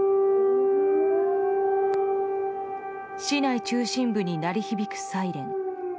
市内中心部に鳴り響くサイレン。